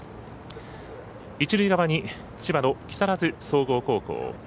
一塁側に千葉の木更津総合高校。